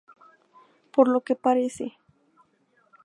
Por lo que parece".